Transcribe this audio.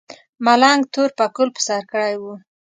ملنګ تور پکول په سر کړی و.